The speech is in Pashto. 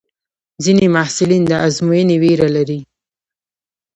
ځینې محصلین د ازموینې وېره لري.